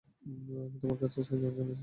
আমি তোমার কাছে সাহায্যের জন্য এসেছিলাম।